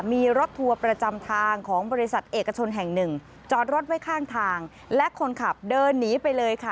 มีรถทัวร์ประจำทางของบริษัทเอกชนแห่งหนึ่งจอดรถไว้ข้างทางและคนขับเดินหนีไปเลยค่ะ